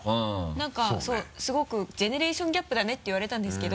何かそうすごくジェネレーションギャップだねって言われたんですけど。